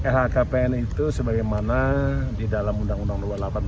lhkpn itu sebagaimana di dalam undang undang dua puluh delapan sembilan ratus sembilan puluh sembilan